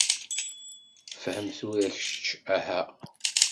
Fhem tura kečč, ah!